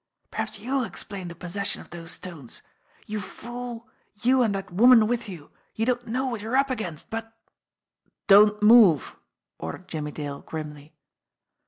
"Perhaps you'll explain the possession of those stones ! You fool, you and that woman with you, you don't know what you're up against, but " "Don't move!" ordered Jimmie Dale grimly.